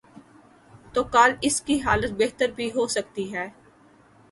تو کل اس کی حالت بہتر بھی ہو سکتی ہے۔